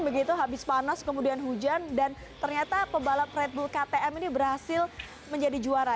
begitu habis panas kemudian hujan dan ternyata pebalap red bull ktm ini berhasil menjadi juara